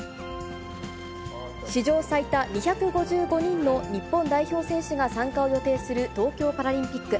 史上最多２５５人の日本代表選手が参加を予定する東京パラリンピック。